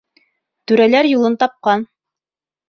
Түрәләр юлын тапҡан